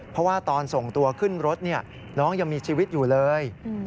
เพราะว่าตอนส่งตัวขึ้นรถน้องยังมีชีวิตอยู่เลย